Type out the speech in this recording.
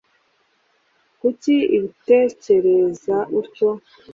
kuki ubitekereza utyo